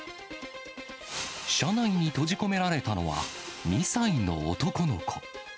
車内に閉じ込められたのは、２歳の男の子。